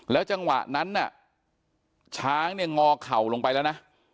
จังหวะนั้นน่ะช้างเนี่ยงอเข่าลงไปแล้วนะ